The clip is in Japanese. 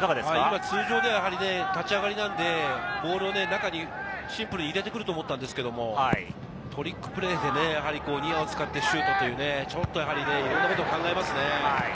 通常では立ち上がりなので、ボールを中にシンプルに入れてくると思ったんですが、トリックプレーでニアを使ってシュートという、ちょっといろんなことを考えますね。